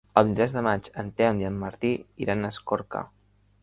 El vint-i-tres de maig en Telm i en Martí iran a Escorca.